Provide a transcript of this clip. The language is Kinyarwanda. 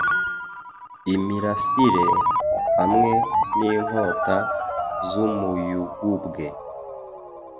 imirasire, hamwe n'inkota z'umuyugubwe